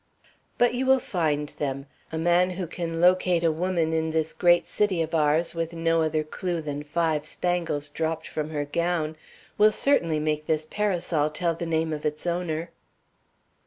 "But you will find them. A man who can locate a woman in this great city of ours with no other clew than five spangles, dropped from her gown, will certainly make this parasol tell the name of its owner."